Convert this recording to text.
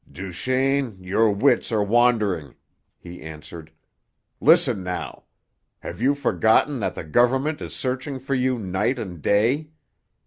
"Duchaine, your wits are wandering," he answered. "Listen now! Have you forgotten that the government is searching for you night and day?